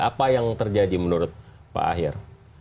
apa yang terjadi menurut pak aher